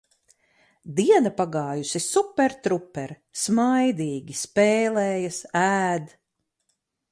Diena pagājusi super truper - smaidīgi, spēlējas, ēd.